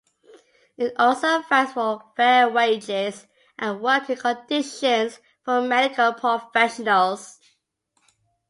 It also fights for fair wages and working conditions for medical professionals.